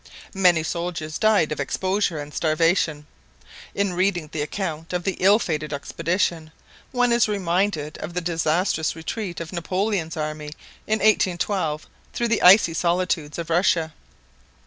Many soldiers died of exposure and starvation. In reading the account of the ill fated expedition, one is reminded of the disastrous retreat of Napoleon's army in 1812 through the icy solitudes of Russia.